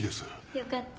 よかった。